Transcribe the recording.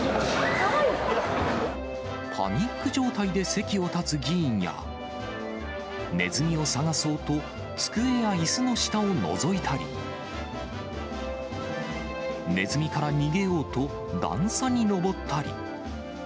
パニック状態で席を立つ議員や、ネズミを捜そうと、机やいすの下をのぞいたり、ネズミから逃げようと、段差に上ったり。